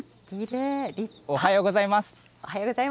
おはようございます。